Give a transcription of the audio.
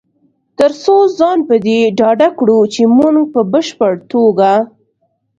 تر څو ځان په دې ډاډه کړو چې مونږ په بشپړ توګه